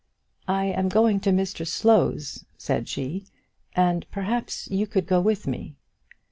"I am going to Mr Slow's," said she, "and perhaps you could go with me."